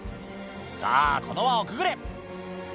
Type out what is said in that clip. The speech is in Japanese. さあ、この輪をくぐれ。